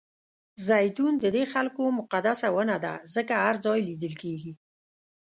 زیتون ددې خلکو مقدسه ونه ده ځکه هر ځای لیدل کېږي.